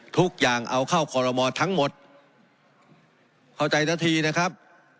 ทุกอย่างเอาข้อกรมอธรรมะทั้งหมดเข้าใจแล้วทีนะครับ